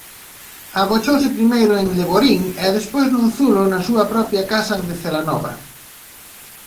Agochouse primeiro en Leborín e despois nun zulo na súa propia casa de Celanova.